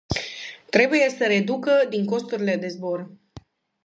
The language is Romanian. Trebuie să reducă din costurile de zbor.